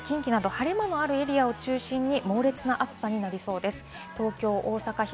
関東や近畿など晴れ間のあるエリアを中心に猛烈な暑さになりそうです。